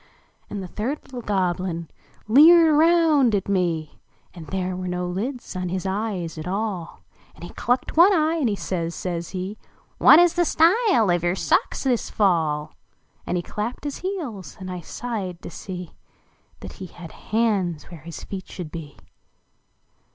LIXS And the third little 1 (loblin leered round at me And there were no lids on his eves at all And he chicked one eye, and he says, says he, " What is the style of your socks this fall? " And he clapped his heels and I sighed to see That he had hands where his feet should be.